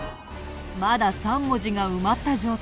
まだ３文字が埋まった状態。